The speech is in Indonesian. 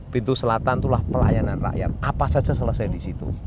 pintu selatan itulah pelayanan rakyat apa saja selesai di situ